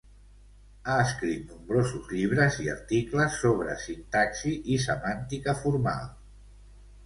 Ha escrit nombrosos llibres i articles sobre sintaxi i semàntica formal.